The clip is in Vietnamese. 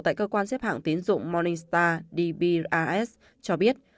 tại cơ quan xếp hạng tín dụng morningstar dbrs cho biết